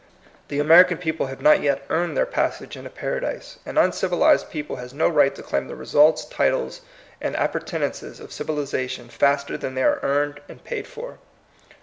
The Ameri can people have not yet earned their pas sage into paradise. An uncivilized people has no right to claim the results, titles, and appurtenances of civilization faster than they are earned and paid for.